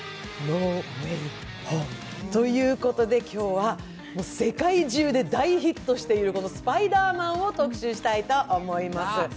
今日は世界中で大ヒットしている「スパイダーマン」を特集したいと思います。